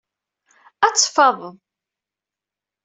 Ad teffadeḍ.